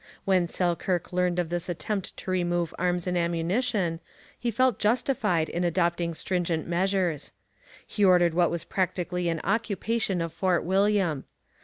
When Selkirk learned of this attempt to remove arms and ammunition, he felt justified in adopting stringent measures. He ordered what was practically an occupation of Fort William.